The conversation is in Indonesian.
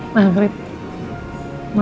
mama mau nunggu allah